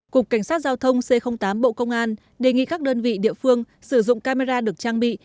cục cảnh sát giao thông c tám bộ công an đề nghị các đơn vị địa phương sử dụng camera được trang bị